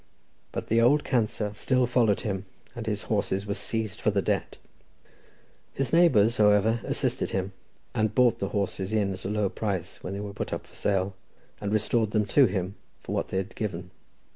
But the "old cancer" still followed him, and his horses were seized for the debt. His neighbours, however, assisted him, and bought the horses in at a low price when they were put up for sale, and restored them to him, for what they had given.